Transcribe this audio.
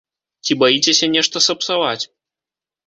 Ці баіцеся нешта сапсаваць?